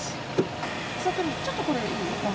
聖ちょっとこれいい？